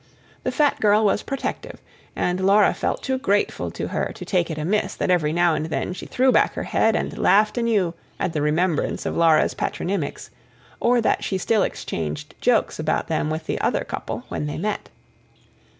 The fat girl was protective, and Laura felt too grateful to her to take it amiss that every now and then she threw back her head and laughed anew, at the remembrance of Laura's patronymics; or that she still exchanged jokes about them with the other couple, when they met.